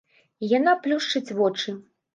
І яна плюшчыць вочы.